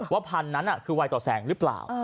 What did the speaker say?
พันธุ์นั้นคือวัยต่อแสงหรือเปล่า